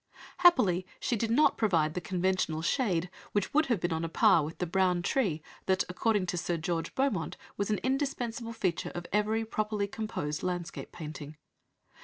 Happily she did not provide the conventional "shade," which would have been on a par with the "brown tree" that, according to Sir George Beaumont, was an indispensable feature of every properly composed landscape painting.